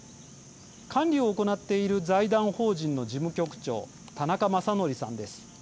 管理を行っている財団法人の事務局長田中正紀さんです。